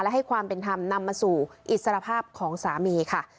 และให้ความเป็นธรรมนำมาสู่อิสรภาพของสามีค่ะ